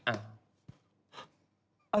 อ่ะเหรอ